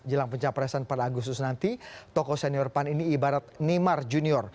jelang pencaparesan pada agusus nanti toko senior pan ini ibarat nimar junior